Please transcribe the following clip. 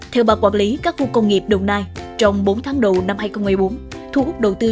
theo bà quản lý các khu công nghiệp đồng nai trong bốn tháng đầu năm hai nghìn một mươi bốn thu hút đầu tư